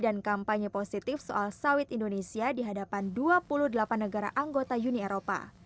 dan kampanye positif soal sawit indonesia di hadapan dua puluh delapan negara anggota uni eropa